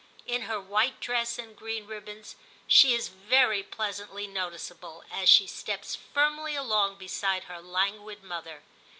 In her white dress and green ribbons, she is very pleasantly notice able, as she steps firmly along beside her languid mother.